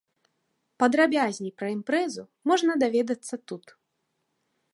Падрабязней пра імпрэзу можна даведацца тут.